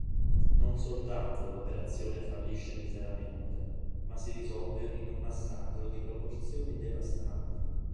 Non soltanto l'operazione fallisce miseramente, ma si risolve in un massacro di proporzioni devastanti.